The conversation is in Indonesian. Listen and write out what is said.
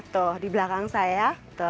tuh di belakang saya